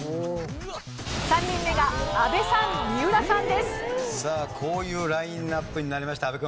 さあこういうラインアップになりました